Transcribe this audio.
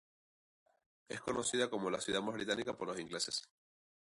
Es conocida como la "ciudad más británica" por los ingleses.